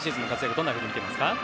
どんなふうに見ていますか？